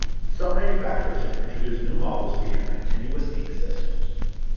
Some manufacturers have introduced new models featuring continuous ink systems.